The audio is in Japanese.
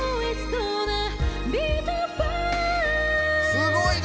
すごいな！